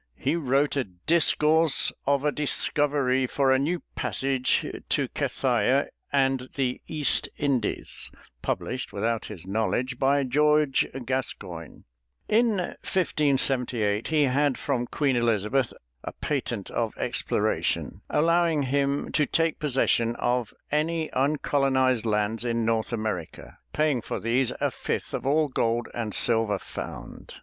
He wrote a "Discourse of a Discoverie for a New Passage to Cathaia and the East Indies" published without his knowledge by George Gascoigne. In 1578 he had from Queen Elizabeth a patent of exploration, allowing him to take possession of any uncolonized lands in North America, paying for these a fifth of all gold and silver found.